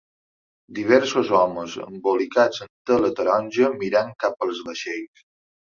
Diversos homes embolicats en tela taronja mirant cap als vaixells.